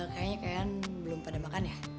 kayanya kayan belum pada makan ya